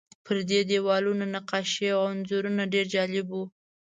پر دې دیوالونو نقاشۍ او انځورونه ډېر جالب وو.